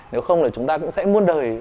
nếu không là chúng ta cũng sẽ muôn đời